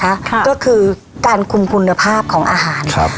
ค่ะก็คือการคุมคุณภาพของอาหารครับ